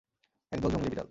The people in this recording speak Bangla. এক দল জংগলি বিড়াল!